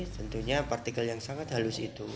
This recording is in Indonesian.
tentunya partikel yang sangat halus itu